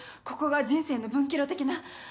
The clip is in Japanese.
ここが人生の分岐路的な。